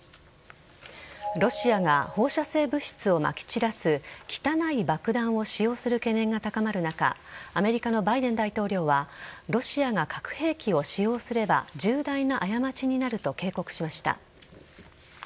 ロシアが放射性物質をまき散らす汚い爆弾を使用する懸念が高まる中アメリカのバイデン大統領はロシアが核兵器を使用すれば重大な過ちになると警告しました。